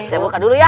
saya buka dulu ya